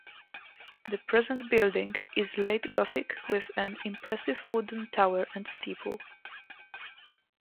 The present building is late gothic with an impressive wooden tower and steeple.